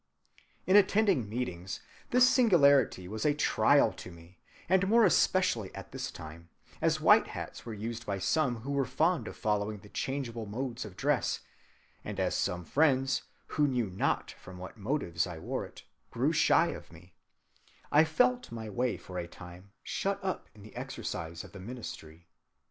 "In attending meetings, this singularity was a trial to me, and more especially at this time, as white hats were used by some who were fond of following the changeable modes of dress, and as some friends, who knew not from what motives I wore it, grew shy of me, I felt my way for a time shut up in the exercise of the ministry.